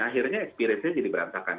akhirnya experience nya jadi berantakan